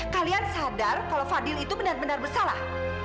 kalian sadar kalau fadil itu benar benar bersalah